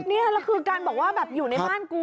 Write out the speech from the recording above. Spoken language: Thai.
นี่คือการบอกว่าแบบอยู่ในบ้านกู